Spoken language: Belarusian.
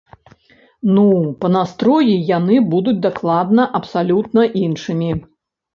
Ну, па настроі яны будуць дакладна абсалютна іншымі.